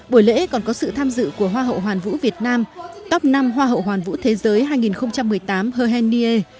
buổi lễ còn có sự tham dự của hoa hậu hoàn vũ việt nam top năm hoa hậu hoàn vũ thế giới hai nghìn một mươi tám herenier